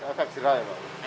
efek jerah ya